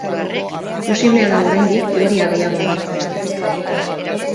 Posiblea da oraindik teoria gehiago agertzea.